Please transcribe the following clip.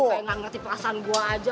kayak gak ngerti perasaan gue aja